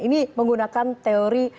ini menggunakan teori